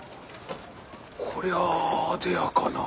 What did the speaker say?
こりゃああでやかな。